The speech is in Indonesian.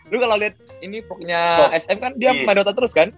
lu kalau liat ini poke nya sm kan dia main dota terus kan